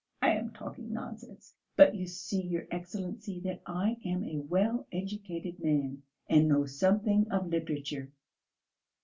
I am talking nonsense, but you see, your Excellency, that I am a well educated man and know something of literature.